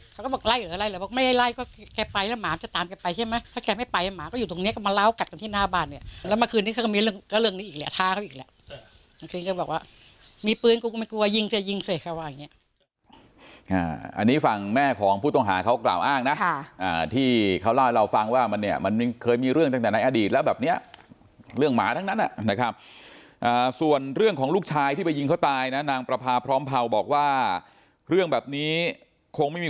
เขาก็บอกไล่เหรอไล่เหรอบอกไม่ได้ไล่ก็แกไปแล้วหมาจะตามแกไปใช่ไหมถ้าแกไม่ไปหมาก็อยู่ตรงเนี้ยก็มาเลาะกัดกันที่หน้าบ้านเนี่ยแล้วเมื่อคืนนี้เขาก็มีเรื่องก็เรื่องนี้อีกแหละท้าเขาอีกแหละเมื่อคืนนี้เขาก็บอกว่ามีปืนก็ไม่กลัวยิงเสียยิงเสียแค่ว่าอย่างเงี้ยอ่าอันนี้ฟังแม่ของผู้ต้องหาเขากล่าวอ้าง